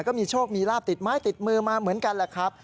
ก็มีโชคมีลาบติดไม้ติดมือมาเหมือนกันแหละครับ